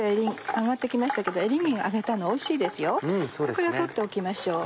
これは取っておきましょう。